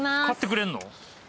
買ってくれんの？